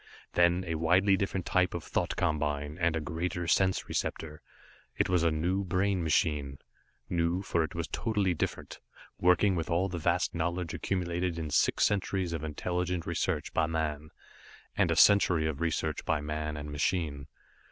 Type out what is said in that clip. Then a widely different type of thought combine, and a greater sense receptor. It was a new brain machine. New, for it was totally different, working with all the vast knowledge accumulated in six centuries of intelligent research by man, and a century of research by man and machine.